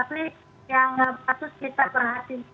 memang gejala dari covid sembilan belas varian omikron ini mirip mirip